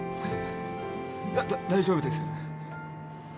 だ大丈夫です。